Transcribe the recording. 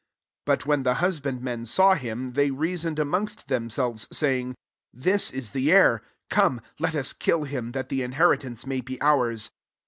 ^ 14 " But when the husband men saw him, they reasoned amongst themselves, saying, ' This is the heir : [come.j let us kill him, that the inheritance may be ours.